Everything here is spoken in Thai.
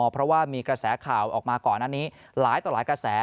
เพราะว่ามีกระแสข่าวออกมาก่อนอันนี้หลายต่อหลายกระแส